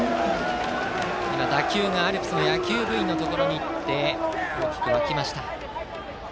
打球がアルプスの野球部員のところに行って大きく沸きました。